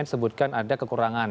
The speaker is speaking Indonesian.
disebutkan ada kekurangan